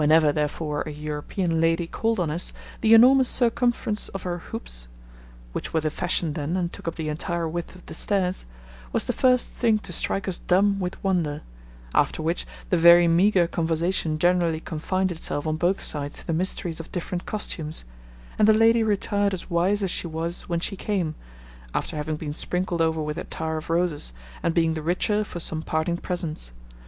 Whenever, therefore, a European lady called on us, the enormous circumference of her hoops (which were the fashion then, and took up the entire width of the stairs) was the first thing to strike us dumb with wonder; after which, the very meagre conversation generally confined itself on both sides to the mysteries of different costumes; and the lady retired as wise as she was when she came, after having been sprinkled over with attar of roses, and being the richer for some parting presents.